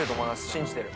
信じてる。